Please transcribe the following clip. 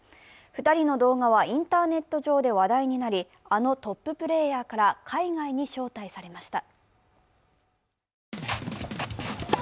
２人の動画はインターネット上で話題となり、あのトッププレーヤーから海外に招待されました。